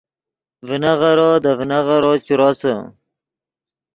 ڤینغیرو دے ڤینغیرو چے روسے